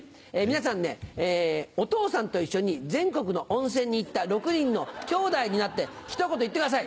皆さんねお父さんと一緒に全国の温泉に行った６人の兄弟になってひと言言ってください。